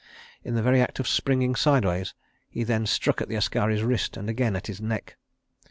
In the very act of springing sideways he then struck at the askari's wrist and again at his neck.